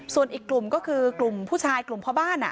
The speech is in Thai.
ส่วนอีกกลุ่มก็คือกลุ่มผู้ชายกลุ่มพ่อบ้าน